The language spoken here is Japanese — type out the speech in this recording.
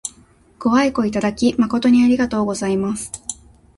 ご愛顧いただき誠にありがとうございます。